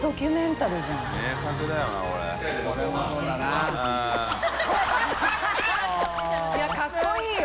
片瀬）いやかっこいいよ。